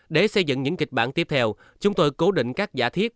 để xây dựng những kịch bản tiếp theo chúng tôi cố định các giả thiết